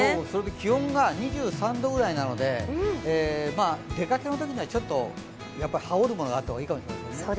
気温が２３度くらいなので、出かけるときにはちょっと羽織るものがあった方がいいですね。